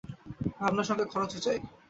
ভাবনার সঙ্গে খরচও চাই।